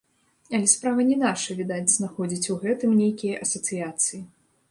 Але справа не наша, відаць, знаходзіць у гэтым нейкія асацыяцыі.